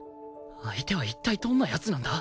相手は一体どんな奴なんだ？